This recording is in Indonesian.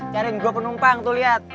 cariin gua penumpang tuh liat